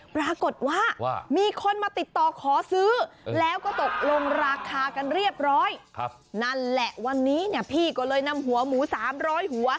ปรากฏว่ามีคนมาติดต่อขอซื้อแล้วก็ตกลงราคากันเรียบร้อยนั่นแหละวันนี้เนี่ยพี่ก็เลยนำหัวหมู๓๐๐หัว